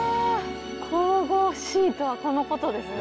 神々しいとはこのことですね。